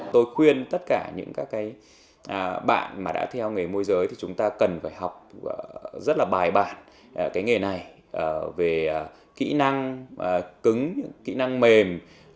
tôi khuyên tất cả những các cái bạn mà đã theo nghề môi giới thì chúng ta cần phải học rất là bài bản cái nghề này về kỹ năng cứng những kỹ năng mềm